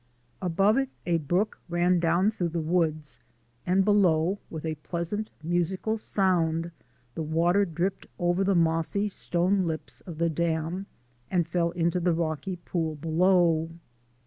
Above it a brook ran down through the woods, and below, with a pleasant musical sound, the water dripped over the mossy stone lips of the dam and fell into the rocky pool below.